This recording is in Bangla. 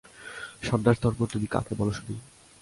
সন্ন্যাসধর্ম তুমি কাকে বল শুনি।